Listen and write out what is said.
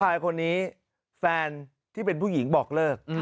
ชายคนนี้แฟนที่เป็นผู้หญิงบอกเลิก